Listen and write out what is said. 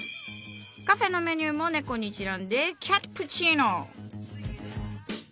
カフェのメニューも猫にちなんで「キャットプチーノ」。